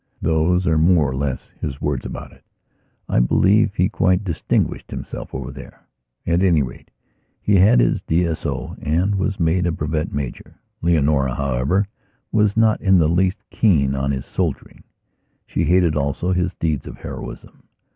Those are more or less his words about it. I believe he quite distinguished himself over there. At any rate, he had had his D.S.O. and was made a brevet major. Leonora, however, was not in the least keen on his soldiering. She hated also his deeds of heroism.